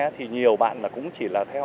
thì nhiều bạn cũng chỉ là theo